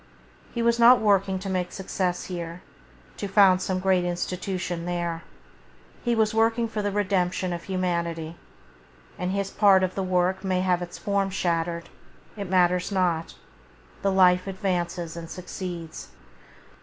He was not working to make success here, to found some great institution there, he was working for the redemption of humanity. And his part of the work may have its form shattered; it matters not, the life advances and succeeds.